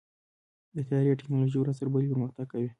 د طیارې ټیکنالوژي ورځ تر بلې پرمختګ کوي.